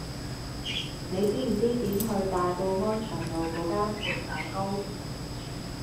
你知唔知點去大埔安祥路嗰間缽仔糕